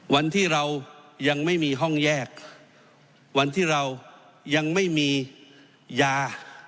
วันที่เรายังไม่มีห้องแยกวันที่เรายังไม่มียา